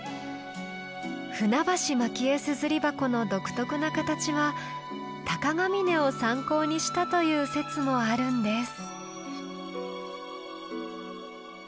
「舟橋蒔絵硯箱」の独特な形は鷹ヶ峰を参考にしたという説もあるんです。